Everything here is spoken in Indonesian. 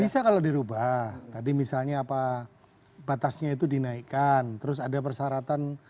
bisa kalau dirubah tadi misalnya apa batasnya itu dinaikkan terus ada persyaratan terbatasnya itu bisa diubah